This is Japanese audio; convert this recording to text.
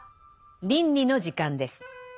倫理の時間です。